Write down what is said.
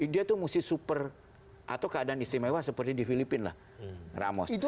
dia tuh mesti super atau keadaan istimewa seperti di filipina lah ramos